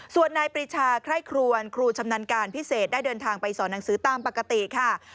ส่วนนายปริชาไคร่ครวนครูชำนาญการพิเศษได้เดินทางไปสอนหนังสือตามปกติค่ะ